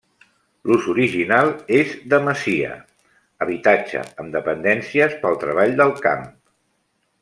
L'ús original és de masia, habitatge amb dependències pel treball del camp.